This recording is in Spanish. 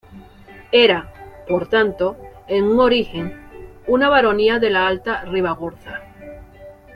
Era, por tanto, en un origen, una baronía de la Alta Ribagorza.